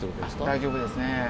大丈夫ですね。